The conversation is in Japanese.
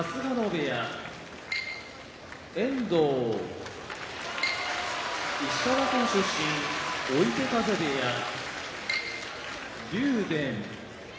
遠藤石川県出身追手風部屋竜電